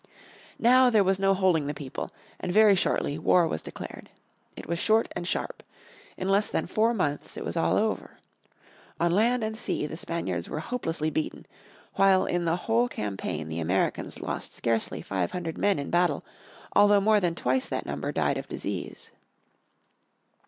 Now there was no holding the people, and very shortly war was declared. It was short and sharp. In less than four months it was all over. On land and sea the Spaniards were hopelessly beaten, while in the whole campaign the Americans lost scarcely five hundred men in battle, although more than twice that number died of disease.